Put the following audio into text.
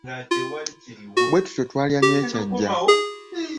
Bwe tutyo twalya ne Kyajja.